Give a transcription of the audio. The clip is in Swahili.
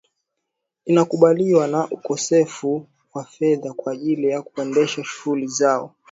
Inakabiliwa na ukosefu wa fedha kwa ajili ya kuendesha shughuli zao